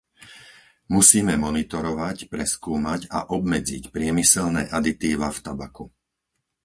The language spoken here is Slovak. Musíme monitorovať, preskúmať a obmedziť priemyselné aditíva v tabaku.